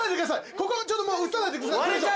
ここちょっともう写さないでくださいどうしよう。